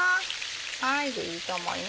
はいいいと思います。